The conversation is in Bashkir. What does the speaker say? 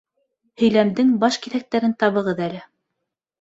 Һөйләмдең баш киҫәктәрен табығыҙ әле